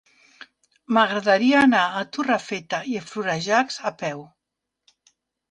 M'agradaria anar a Torrefeta i Florejacs a peu.